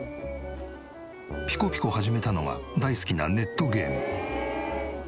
ピコピコ始めたのは大好きなネットゲーム。